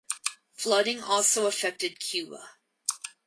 Flooding also affected Cuba.